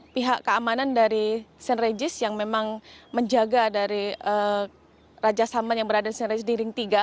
pihak keamanan dari st regis yang memang menjaga dari raja salman yang berada di st regis di ring tiga